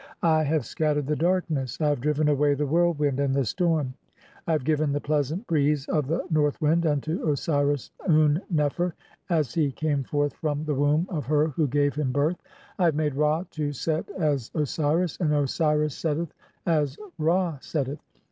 I have scat tered (5) the darkness, I have driven away the whirlwind "and the storm, and I have given the pleasant breeze of the "north wind unto Osiris Un nefer as he came forth from (6) "the womb of her who gave him birth. I have made Ra to "set as Osiris, and Osiris setteth as Ra setteth.